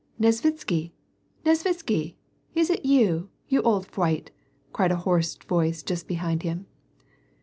" Nesvitsky ! Xesvitsky ! Is it you, you old f wight," cried a hoarse voice just behind him.